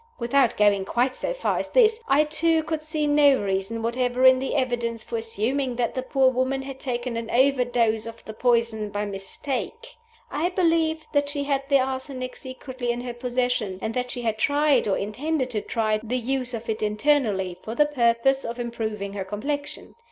Without going quite so far as this, I, too, could see no reason whatever in the evidence for assuming that the poor woman had taken an overdose of the poison by mistake. I believed that she had the arsenic secretly in her possession, and that she had tried, or intended to try, the use of it internally, for the purpose of improving her complexion.